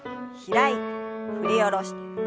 開いて振り下ろして。